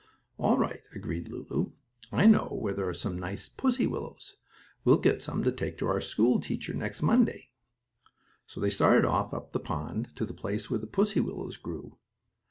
"All right," agreed Lulu. "I know where there are some nice pussy willows. We'll get some to take to our school teacher next Monday." So they started off up the pond to the place where the pussy willows grew.